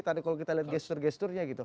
tadi kalau kita lihat gesture gesturenya gitu